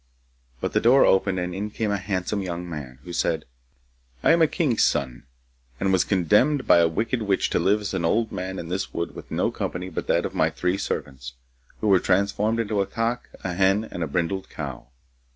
But the door opened and in came a handsome young man, who said, 'I am a king's son, and was condemned by a wicked witch to live as an old man in this wood with no company but that of my three servants, who were transformed into a cock, a hen, and a brindled cow.